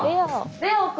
レオ君。